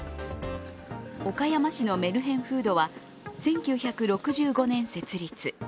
岡山市のメルヘンフードは１９６５年設立。